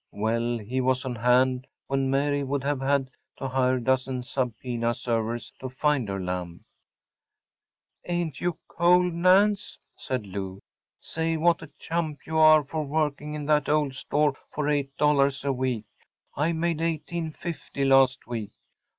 Well, he was on hand when Mary would have had to hire a dozen subpoena servers to find her lamb. “Ain’t you cold, Nance?‚ÄĚ said Lou. “Say, what a chump you are for working in that old store for $8 a week! I made $18.50 last week.